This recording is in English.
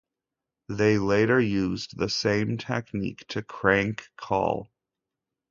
They later used the same technique to crank call.